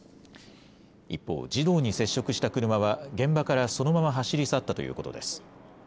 一方、児童に接触した車は現場からそのまま走り去ったということです。